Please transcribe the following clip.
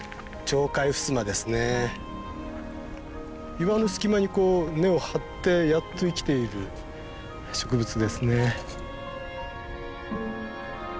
岩の隙間にこう根を張ってやっと生きている植物ですね。